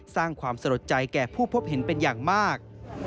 สร้างความสะลดใจแก่ผู้พบเห็นเป็นอย่างมาก